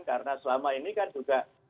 karena selama ini kan juga